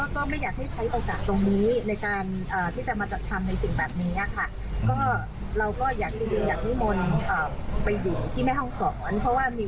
ก็ไม่อยากให้ใช้โอกาสตรงนี้ในการที่จะมาทำในสิ่งแบบนี้ค่ะ